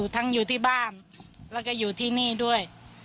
ทั้งอยู่ที่บ้านแล้วก็อยู่ที่นี่ด้วย